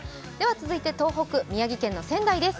続いて東北、宮城県の仙台です。